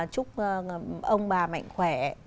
chúc ông bà mạnh khỏe